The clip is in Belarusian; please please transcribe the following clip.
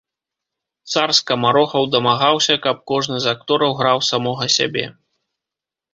Цар скамарохаў дамагаўся, каб кожны з актораў граў самога сябе.